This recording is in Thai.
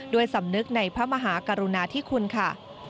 สำนึกในพระมหากรุณาธิคุณค่ะ